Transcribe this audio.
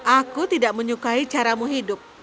aku tidak menyukai caramu hidup